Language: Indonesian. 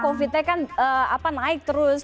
covid nya kan naik terus